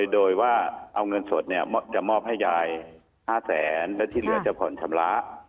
โดยว่าเอาเงินสดจะมอบให้ยาย๕แสนและที่เหลือจะผ่อนชำระ